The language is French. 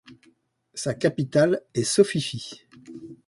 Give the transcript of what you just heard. Sa capitale est Sofifi.